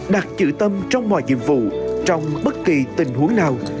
đặt chữ tâm trong mọi nhiệm vụ trong bất kỳ tình huống nào